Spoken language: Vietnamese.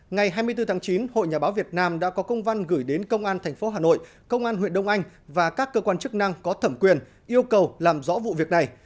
ngày hai mươi bốn tháng chín hội nhà báo việt nam đã có công văn gửi đến công an tp hà nội công an huyện đông anh và các cơ quan chức năng có thẩm quyền yêu cầu làm rõ vụ việc này